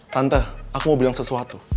tante aku mau bilang sesuatu